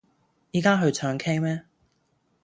依家去唱 k 咩